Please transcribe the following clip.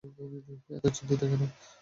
এত চিন্তিত কেন?